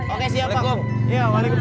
oke siap bang